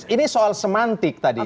ini soal semantik tadi